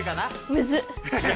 むずっ。